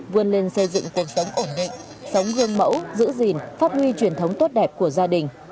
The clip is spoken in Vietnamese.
vươn lên xây dựng cuộc sống ổn định sống gương mẫu giữ gìn phát huy truyền thống tốt đẹp của gia đình